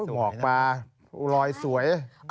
โหหงอกปลารอยสวย